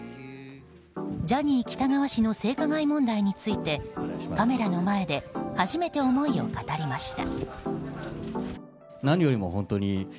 ジャニー喜多川氏の性加害問題についてカメラの前で初めて思いを語りました。